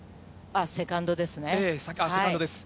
セカンドです。